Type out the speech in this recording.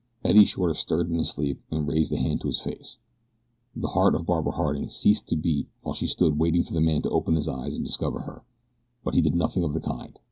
Eddie Shorter stirred in his sleep and raised a hand to his face. The heart of Barbara Harding ceased to beat while she stood waiting for the man to open his eyes and discover her; but he did nothing of the kind.